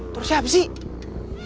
terus siapa sih